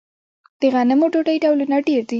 د غنمو ډوډۍ ډولونه ډیر دي.